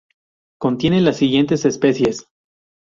Contiene las siguientes especies:.